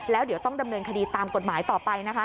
แล้วเดี๋ยวต้องดำเนินคดีตามกฎหมายต่อไปนะคะ